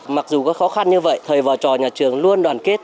mặc dù có khó khăn như vậy thầy và trò nhà trường luôn đoàn kết